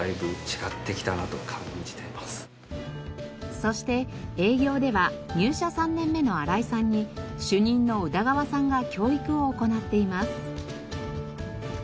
そして営業では入社３年目の荒井さんに主任の宇田川さんが教育を行っています。